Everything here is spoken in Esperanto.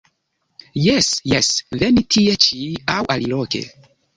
Jes, jes, veni tie-ĉi aŭ aliloke.